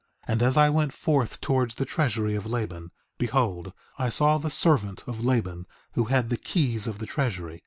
And as I went forth towards the treasury of Laban, behold, I saw the servant of Laban who had the keys of the treasury.